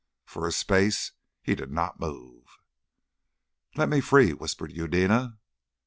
For a space he did not move. "Let me free," whispered Eudena....